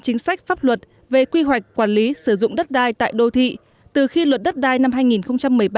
chính sách pháp luật về quy hoạch quản lý sử dụng đất đai tại đô thị từ khi luật đất đai năm